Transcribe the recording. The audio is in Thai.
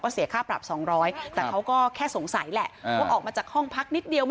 เสียค่าปรับ๒๐๐แต่เขาก็แค่สงสัยแหละว่าออกมาจากห้องพักนิดเดียว